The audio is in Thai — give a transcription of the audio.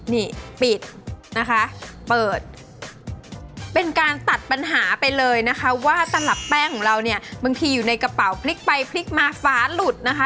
นี่ปิดนะคะเปิดเป็นการตัดปัญหาไปเลยนะคะว่าตลับแป้งของเราเนี่ยบางทีอยู่ในกระเป๋าพลิกไปพลิกมาฟ้าหลุดนะคะ